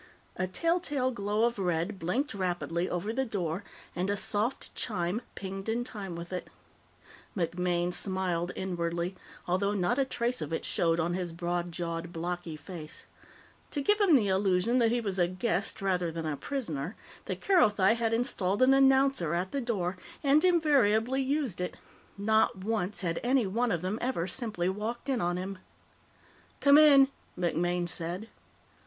A telltale glow of red blinked rapidly over the door, and a soft chime pinged in time with it. MacMaine smiled inwardly, although not a trace of it showed on his broad jawed, blocky face. To give him the illusion that he was a guest rather than a prisoner, the Kerothi had installed an announcer at the door and invariably used it. Not once had any one of them ever simply walked in on him. "Come in," MacMaine said.